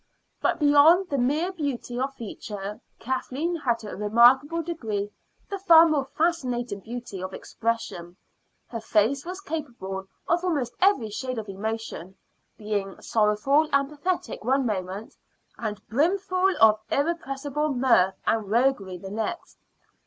But beyond the mere beauty of feature Kathleen had to a remarkable degree the far more fascinating beauty of expression: her face was capable of almost every shade of emotion, being sorrowful and pathetic one moment, and brimful of irrepressible mirth and roguery the next.